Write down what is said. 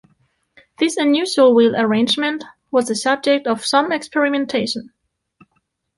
This unusual wheel arrangement was the subject of some experimentation.